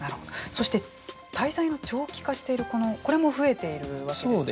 そして滞在の長期化しているこれも増えているわけですね。